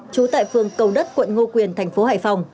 trú tại phường cầu đất quận ngô quyền thành phố hải phòng